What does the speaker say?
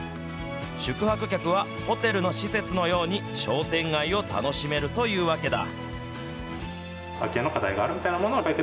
宿泊客はホテルの施設のように商店街を楽しめるというわけだ。